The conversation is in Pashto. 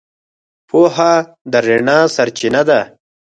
پوهه د رڼا سرچینه ده.